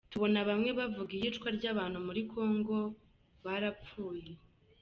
Tubona bamwe bavuga iyicwa ry’Abahutu muri Congo, barapfuye.